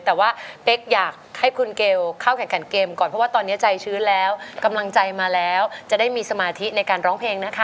แต่ว่าเป๊กอยากให้คุณเกลเข้าแข่งกันเกมก่อน